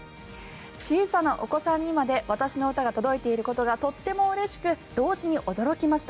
小さなお子さんにまで私の歌が届いていることがとってもうれしく同時に驚きました。